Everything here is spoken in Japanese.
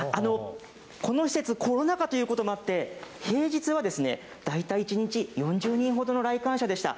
この施設、コロナ禍ということもあって、平日は大体１日４０人ほどの来館者でした。